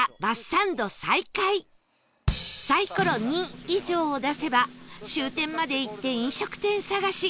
サイコロ「２」以上を出せば終点まで行って飲食店探し